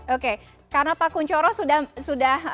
oke karena pak kunchoro sudah